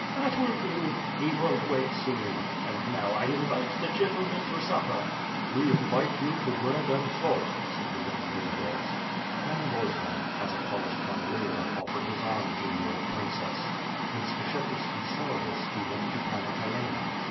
"That will do! He won't wake soon; and now I invite the gentlemen to supper." "We invite you to bread and salt," said the young Buly hovs. Pan Eosvan, as a polished cavalier, offered his arm to the old princess. When Skshetuski saw this, he went to Panna Helena.